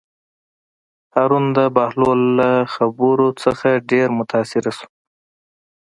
هارون د بهلول له خبرو نه ډېر متأثره شو.